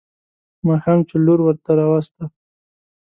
ماښام چې لور ورته راوسته.